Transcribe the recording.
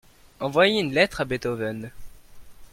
envoyer une lettre à Beethoven.